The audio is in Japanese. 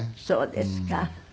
そうですか。